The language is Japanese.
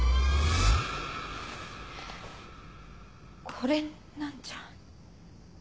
これなんじゃ。